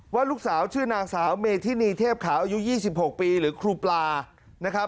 ว่าลูกสาวชื่อนางสาวเมธินีเทพขาวอายุ๒๖ปีหรือครูปลานะครับ